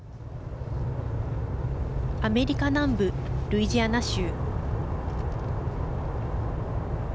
アメリカ南部ルイジアナ州。